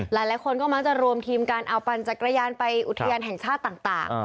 หลายคนก็มักจะรวมทีมการเอาปั่นจักรยานไปอุทยานแห่งชาติต่าง